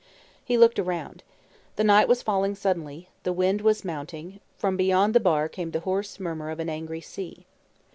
He looked around. The night was falling suddenly; the wind was mounting; from beyond the bar came the hoarse murmur of an angry sea.